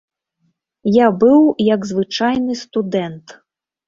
Я быў як звычайны студэнт.